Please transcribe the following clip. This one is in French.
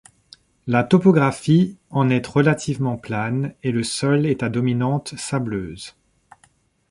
La topographie en est relativement plane et le sol est à dominante sableuse.